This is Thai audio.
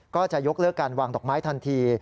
ก็จะยกเลิกการวางดอกไม้ทันที